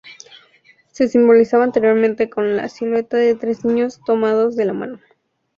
Se simbolizaba anteriormente con la silueta de tres niños tomados de la mano.